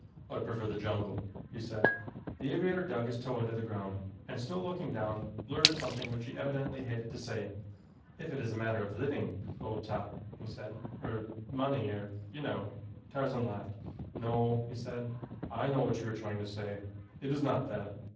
"I prefer the jungle," he said. The aviator dug his toe into the ground and still looking down, blurted something which he evidently hated to say. "If it is a matter of living, old top," he said, "er money, er you know " Tarzan laughed. "No," he said. "I know what you are trying to say. It is not that.